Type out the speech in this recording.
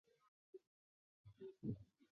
蒂茹卡斯是巴西圣卡塔琳娜州的一个市镇。